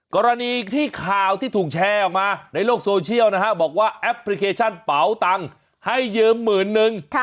กรณีที่ข่าวที่ถูกแชร์ออกมาในโลกโซเชียลนะฮะบอกว่าแอปพลิเคชันเป๋าตังค์ให้ยืมหมื่นนึง